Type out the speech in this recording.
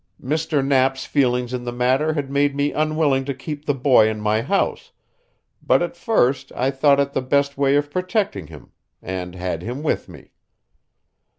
Mr. Knapp's feelings in the matter had made me unwilling to keep the boy in my house, but at first I thought it the best way of protecting him, and had him with me.